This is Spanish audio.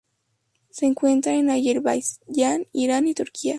Se encuentra en Azerbaiyán, Irán y Turquía.